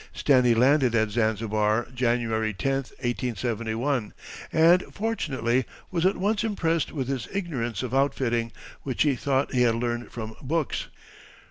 Stanley landed at Zanzibar, January 10, 1871, and, fortunately, was at once impressed with his ignorance of outfitting, which he thought he had learned from books.